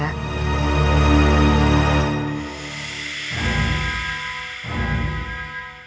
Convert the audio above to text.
atau tidak percaya